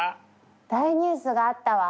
大ニュースがあったわ！